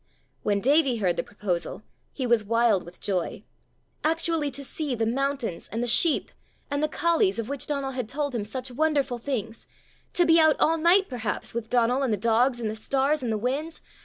When Davie heard the proposal, he was wild with joy. Actually to see the mountains, and the sheep, and the colleys, of which Donal had told him such wonderful things! To be out all night, perhaps, with Donal and the dogs and the stars and the winds!